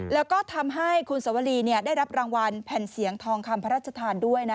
แล้วก็ทำให้คุณสวรีได้รับรางวัลแผ่นเสียงทองคำพระราชทานด้วยนะ